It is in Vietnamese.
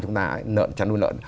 chúng ta chăn nuôi lợn